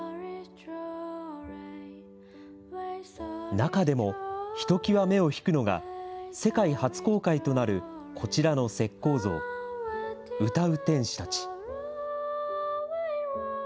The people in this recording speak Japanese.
中でも、ひときわ目を引くのが、世界初公開となるこちらの石こう像、歌う天使たち。